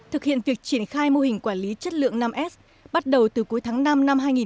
thực hiện việc triển khai mô hình quản lý chất lượng năm s bắt đầu từ cuối tháng năm năm hai nghìn một mươi